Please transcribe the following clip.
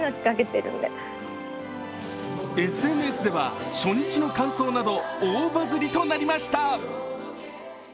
ＳＮＳでは初日の感想など大バズりとなりました。